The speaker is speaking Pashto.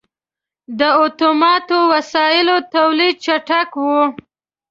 • د اتوماتو وسایلو تولید چټک و.